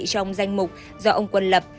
trong danh mục do ông quân lập